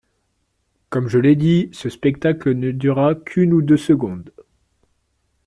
Comme je l'ai dit, ce spectacle ne dura qu'une ou deux secondes.